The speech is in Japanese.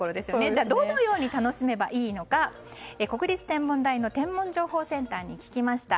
じゃあどのように楽しめばいいか国立天文台の天文情報センターに聞きました。